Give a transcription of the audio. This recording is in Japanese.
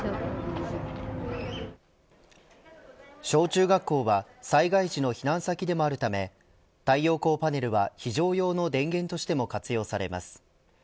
小中学校は災害時の避難先でもあるため太陽光パネルは非常用の電源としても活用されます。